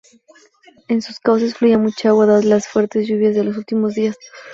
En sus cauces fluía mucha agua dadas las fuertes lluvias de los últimos días.